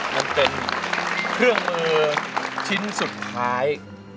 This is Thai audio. มันเป็นเครื่องมือชิ้นสุดท้าย